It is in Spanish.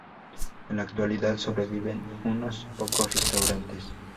En la actualidad sobreviven unos pocos restaurantes.